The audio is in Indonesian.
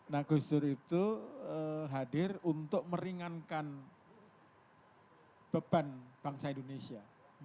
nah gus dur itu hadir untuk meringankan beban bangsa indonesia